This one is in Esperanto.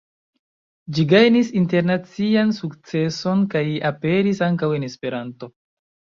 Ĝi gajnis internacian sukceson kaj aperis ankaŭ en Esperanto.